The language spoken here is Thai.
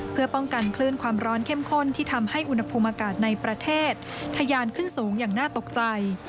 เพื่อป้องกันคลื่นความร้อนเข้มข้นที่ทำให้อุณหภูมิอากาศในประเทศทะยานขึ้นสูงอย่างน่าตกใจ